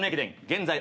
現在